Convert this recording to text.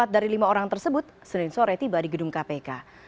empat dari lima orang tersebut senin sore tiba di gedung kpk